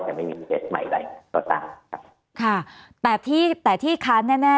จะไม่มีเคสใหม่ใดต่อตามครับค่ะแต่ที่แต่ที่ค้าแน่